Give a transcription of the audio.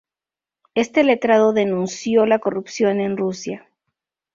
Este letrado denunció la corrupción en Rusia.